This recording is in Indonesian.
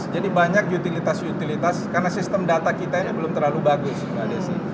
jadi banyak utilitas utilitas karena sistem data kita ini belum terlalu bagus mbak desi